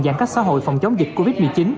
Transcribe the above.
giãn cách xã hội phòng chống dịch covid một mươi chín